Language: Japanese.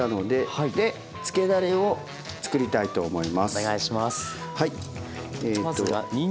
はい。